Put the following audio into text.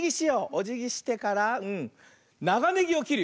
おじぎしてからながねぎをきるよ。